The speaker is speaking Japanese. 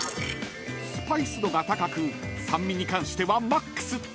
［スパイス度が高く酸味に関してはマックス］